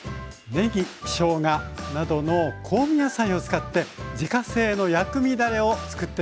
ねぎしょうがなどの香味野菜を使って自家製の薬味だれをつくってみませんか？